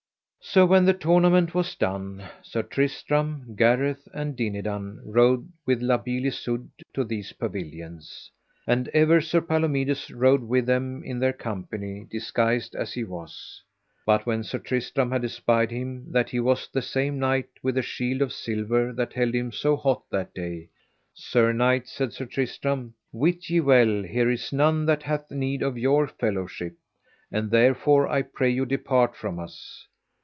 So when the tournament was done, Sir Tristram, Gareth, and Dinadan, rode with La Beale Isoud to these pavilions. And ever Sir Palomides rode with them in their company disguised as he was. But when Sir Tristram had espied him that he was the same knight with the shield of silver that held him so hot that day: Sir knight, said Sir Tristram, wit ye well here is none that hath need of your fellowship, and therefore I pray you depart from us.